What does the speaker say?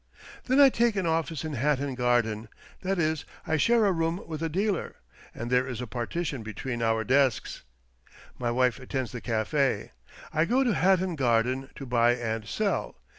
Then I take an office in Hatton Garden — that is, I share a room with a dealer, and there is a partition between our desks. My wife attends the cafe, I go to Hatton Garden to buy and sell.